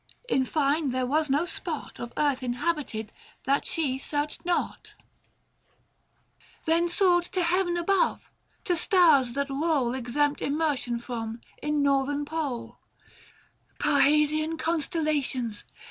in fine, there was no spot Of earth inhabited that she searched not. 650 124 THE FASTI. Book IV. Then soared to heaven above, to stars that roll, Exempt immersion from, in northern pole :<( Parrhasian constellations